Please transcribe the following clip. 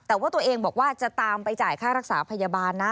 แต่ว่าตัวเองบอกว่าจะตามไปจ่ายค่ารักษาพยาบาลนะ